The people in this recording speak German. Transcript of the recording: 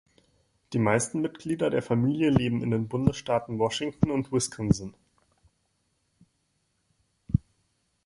Die meisten Mitglieder der Familie leben in den Bundesstaaten Washington und Wisconsin.